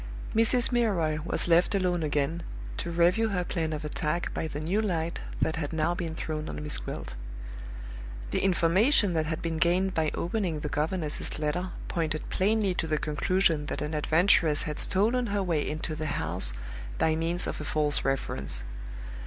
Mrs. Milroy was left alone again, to review her plan of attack by the new light that had now been thrown on Miss Gwilt. The information that had been gained by opening the governess's letter pointed plainly to the conclusion that an adventuress had stolen her way into the house by means of a false reference.